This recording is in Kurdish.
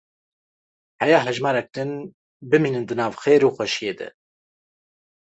Heya hejmarek din bimînin di nav xêr û xweşîyê de.